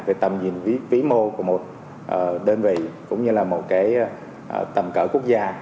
về tầm nhìn vĩ mô của một đơn vị cũng như là một cái tầm cỡ quốc gia